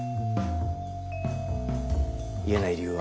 言えない理由は？